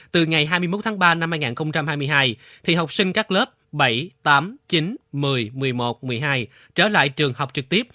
từ ngày hai mươi một tháng ba năm hai nghìn hai mươi hai thì học sinh các lớp bảy tám chín một mươi một mươi một một mươi hai trở lại trường học trực tiếp